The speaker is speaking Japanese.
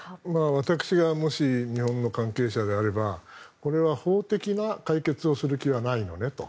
私がもし日本の関係者であればこれは、法的な解決をする気はないのねと。